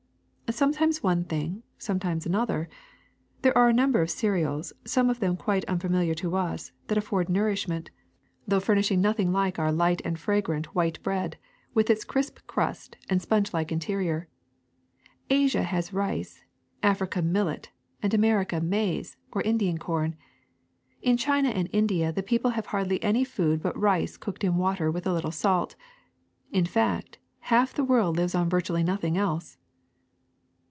^' Sometimes one thing, sometimes another. There are a number of cereals, some of them quite unfa miliar to us, that afford nourishment, though fur 276 RICE 277 nishing nothing like our light and fragrant white bread with its crisp crust and sponge like interior. Asia has rice, Africa millet, and America maize, or Indian com. In China and India the people have hardly any food but rice cooked in water with a little salt. In fact, half the world lives on virtually noth ing else.'